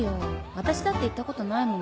私だって行ったことないもの。